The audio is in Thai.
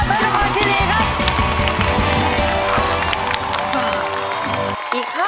เด็กอ้อมัธไมส์ธาภาษีฮีนีครับ